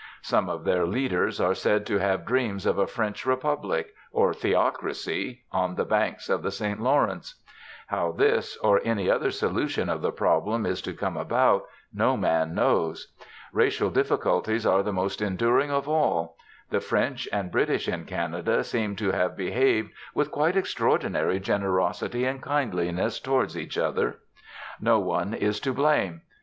Some of their leaders are said to have dreams of a French Republic or theocracy on the banks of the St Lawrence. How this, or any other, solution of the problem is to come about, no man knows. Racial difficulties are the most enduring of all. The French and British in Canada seem to have behaved with quite extraordinary generosity and kindliness towards each other. No one is to blame.